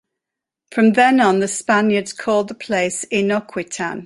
From then on, the Spaniards called the place "Inoquitan".